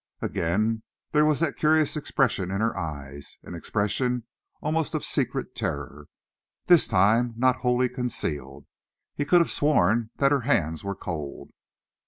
Again there was that curious expression in her eyes, an expression almost of secret terror, this time not wholly concealed. He could have sworn that her hands were cold.